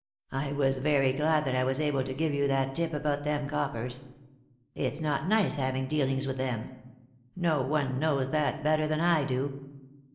I was very glad that I was able to give you that tip about them coppers. It's not nice having dealings with them ; no one knows that better than I do.